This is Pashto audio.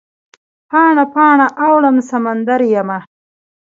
پاڼه، پاڼه اوړم سمندریمه